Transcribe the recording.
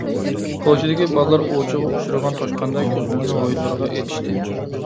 كوچىدىكى بالىلار ئوۋچىغا ئۇچرىغان توشقاندەك ئۆزلىرىنى ھويلىلىرىغا ئېتىشتى.